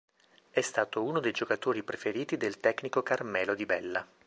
È stato uno dei giocatori preferiti dal tecnico Carmelo Di Bella.